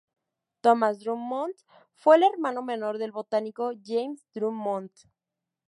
Thomas Drummond fue el hermano menor del botánico James Drummond.